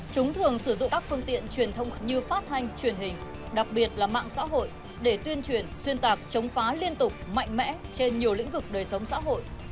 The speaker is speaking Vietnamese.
chúng thường sử dụng các phương tiện truyền thông như phát thanh truyền hình đặc biệt là mạng xã hội để tuyên truyền xuyên tạc chống phá liên tục mạnh mẽ trên nhiều lĩnh vực đời sống xã hội